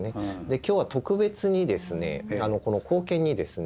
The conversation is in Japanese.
で今日は特別にですねこの硬券にですね